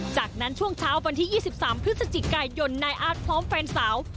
จากนั้นช่วงเช้าวันที่๒๓พฤศจิกายนนายอาร์ตพร้อมแฟนสาว